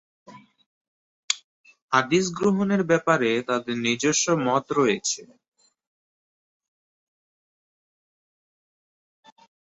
হাদিস গ্রহণের ব্যাপারে তাদের নিজস্ব মত রয়েছে।